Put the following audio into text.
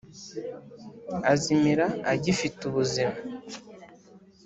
Azimira agifite ubuzima